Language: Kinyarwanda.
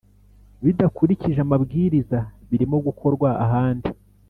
Bidakurikije amabwiriza birimo gukorwa ahandi